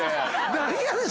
何やねん⁉